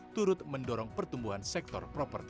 turut mendorong pertumbuhan sektor properti